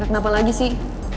gak kenapa lagi sih